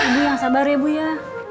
ibu yang sabar ya bu ya